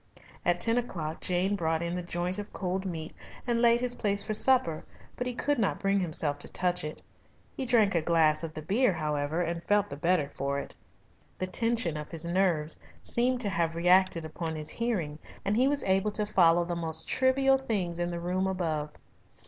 At ten o'clock Jane brought in the joint of cold meat and laid his place for supper, but he could not bring himself to touch it. He drank a glass of the beer, however, and felt the better for it. The tension of his nerves seemed to have reacted upon his hearing, and he was able to follow the most trivial things in the room above.